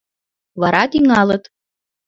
Вара тӱҥалыт.